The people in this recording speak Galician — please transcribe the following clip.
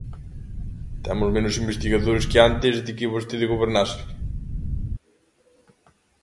¿Temos menos investigadores que antes de que vostede gobernase?